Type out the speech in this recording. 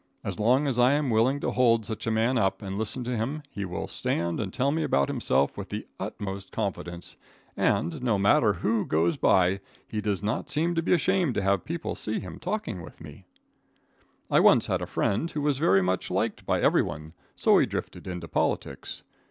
As long as I am willing to hold such a man up and listen to him, he will stand and tell me about himself with the utmost confidence, and, no matter who goes by, he does not seem to be ashamed to have people see him talking with me. [Illustration: THAT BUTTONHOLE.] I once had a friend who was very much liked by every one, so he drifted into politics.